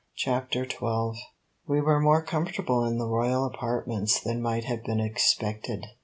CHAPTER XII We were more comfortable in the royal apartments than might have been expected.